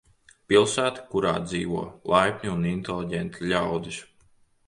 Pilsēta, kurā dzīvo laipni un inteliģenti ļaudis.